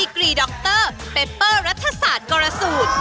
กรีดรเปเปอร์รัฐศาสตร์กรสูตร